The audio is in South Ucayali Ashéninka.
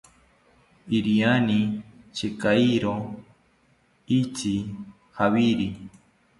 Iriani chekairo itzi javiri